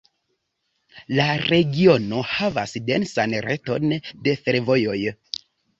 La regiono havas densan reton da fervojoj.